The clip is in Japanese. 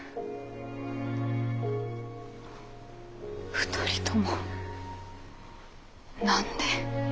２人とも何で。